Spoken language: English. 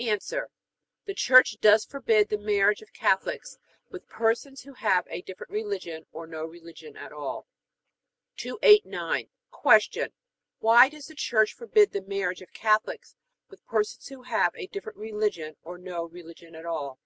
A. The Church does forbid the marriage of Catholics with persons who have a different religion or no religion at all. 289. Q. Why does the Church forbid the marriage of Catholics with persons who have a different religion or no religion at all?